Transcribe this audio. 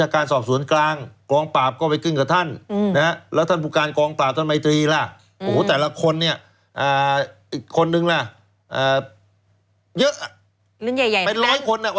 กองปราบก็เกือบร้อยแล้ว